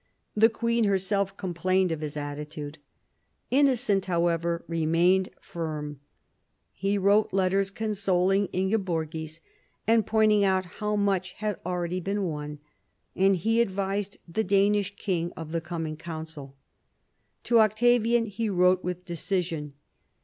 The queen herself complained of his attitude. Innocent, however, re mained firm. He wrote letters consoling Ingeborgis, and pointing out how much had already been won, and he advised the Danish king of the coming council. To Octavian he wrote with decision.